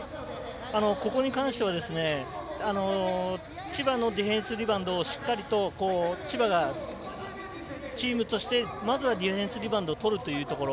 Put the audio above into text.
ここに関しては千葉のディフェンスリバウンドをしっかりと千葉がチームとしてまずはディフェンスリバウンドを取るというところ。